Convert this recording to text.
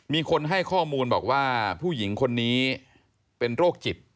มีคนให้ข้อมูลบอกว่าผู้หญิงคนนี้เป็นโรคจิต